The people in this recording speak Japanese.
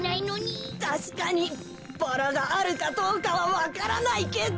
たしかにバラがあるかどうかはわからないけど。